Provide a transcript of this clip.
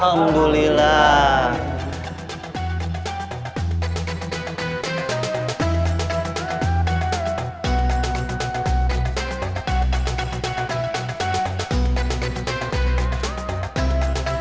ada pertanyaan dari ageng yang berpikir